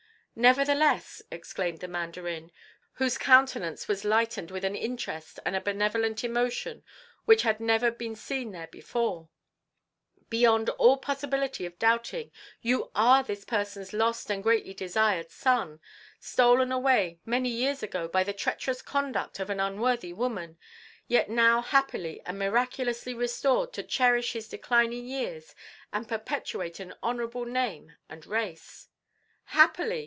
"Nevertheless," exclaimed the Mandarin, whose countenance was lightened with an interest and a benevolent emotion which had never been seen there before, "beyond all possibility of doubting, you are this person's lost and greatly desired son, stolen away many years ago by the treacherous conduct of an unworthy woman, yet now happily and miraculously restored to cherish his declining years and perpetuate an honourable name and race." "Happily!"